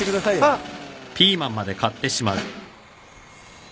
あっ！